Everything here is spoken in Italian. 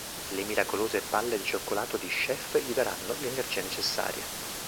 Le miracolose "palle di cioccolato" di Chef gli daranno l'energia necessaria.